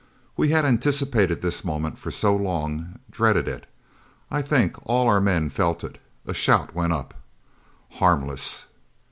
We had anticipated this moment for so long, dreaded it. I think all our men felt it. A shout went up: "Harmless!"